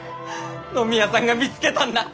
野宮さんが見つけたんだ！